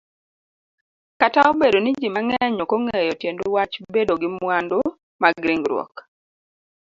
Kataobedo niji mang'eny okong'eyo tiendwach bedogi mwandu magringruok